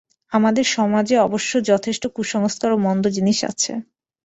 আমাদের সমাজে অবশ্য যথেষ্ট কুসংস্কার ও মন্দ জিনিষ আছে।